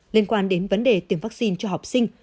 liên quan đến vấn đề tiêm vaccine cho học sinh